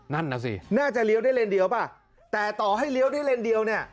นั่นน่ะสิน่าจะเลี้ยวได้เลนเดียวป่ะแต่ต่อให้เลี้ยวได้เลนเดียวเนี่ย